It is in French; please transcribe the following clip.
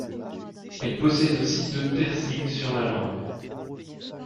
Elle possède aussi deux piercings sur la langue.